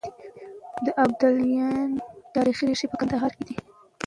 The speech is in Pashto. د ابدالیانو تاريخي ريښې په کندهار کې دي.